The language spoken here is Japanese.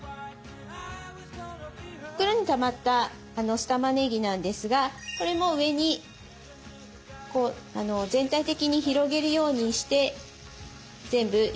袋にたまった酢たまねぎなんですがこれも上に全体的に広げるようにして全部入れちゃってください。